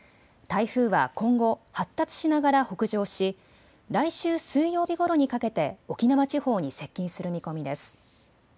台風は今後、発達しながら北上し来週水曜日ごろにかけて沖縄地方に接近する見込みです。